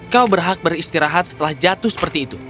kau berhak beristirahat setelah jatuh seperti itu